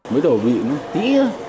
mới đầu bị tí